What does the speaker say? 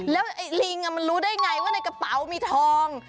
แล้วไอ้ลิงมันรู้ได้ไงว่าในกระเป๋ามีทอง